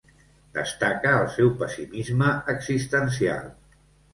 Destaca el seu pessimisme existencial.